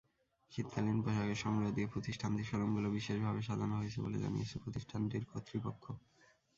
শীতকালীন পোশাকের সংগ্রহ দিয়ে প্রতিষ্ঠানটির শো-রুমগুলো বিশেষভাবে সাজানো হয়েছে বলে জানিয়েছে প্রতিষ্ঠানটির কর্তৃপক্ষ।